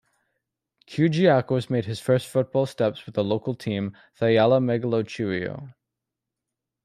Kyrgiakos made his first football steps with a local team, Thyella Megalochoriou.